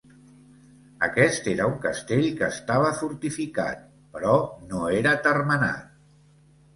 Aquest era un castell que estava fortificat, però no era termenat.